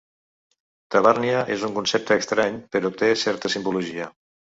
Tabàrnia és un concepte estrany però té certa simbologia.